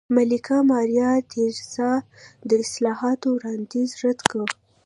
ملکه ماریا تېرازا د اصلاحاتو وړاندیز رد کاوه.